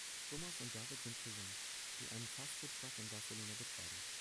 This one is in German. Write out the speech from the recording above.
Thomas und David sind Cousins, die einen Fast-Food-Truck in Barcelona betreiben.